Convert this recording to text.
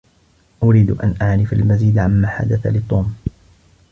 أريد أن أعرف المزيد عما حدث لتوم.